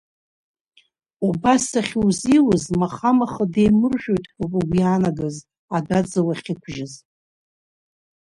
Убас ахьузиуз маха-маха деимыржәжәоит ҳәа ауп угәы иаанагаз, адәаӡа уахьықәжьыз.